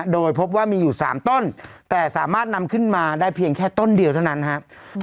โดยพบว่ามีอยู่๓ต้นแต่สามารถนำขึ้นมาได้เพียงแค่ต้นเดียวเท่านั้นครับ